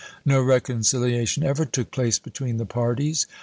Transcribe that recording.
No reconciliation ever took place between the parties.